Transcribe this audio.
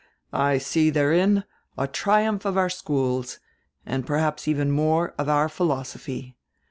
"I see therein a triumph of our schools, and perhaps even more of our philosophy.